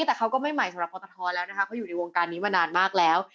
แต่เขาก็ไม่ใหม่สำหรับปตทแล้วนะคะเขาอยู่ในวงการนี้มานานมากแล้ว